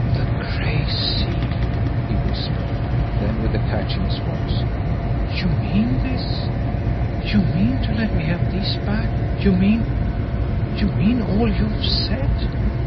"The Gray Seal!" he whispered. Then, with a catch in his voice: "You mean this? You mean to let me have these back you mean you mean all you've said?